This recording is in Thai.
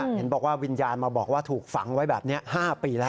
เห็นบอกว่าวิญญาณมาบอกว่าถูกฝังไว้แบบนี้๕ปีแล้ว